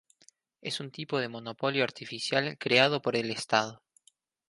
Es un tipo de monopolio artificial creado por el Estado.